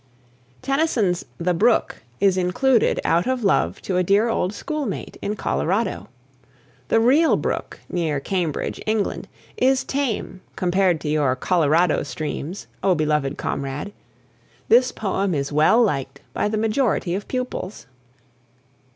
Tennyson's "The Brook" is included out of love to a dear old schoolmate in Colorado. The real brook, near Cambridge, England, is tame compared to your Colorado streams, O beloved comrade. This poem is well liked by the majority of pupils.